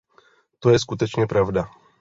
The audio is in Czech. To je skutečně pravda.